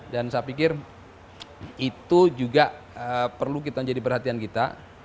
dan saya pikir itu juga perlu kita jadi perhatian kita